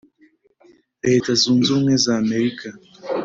leta zunze ubumwe z'amerika,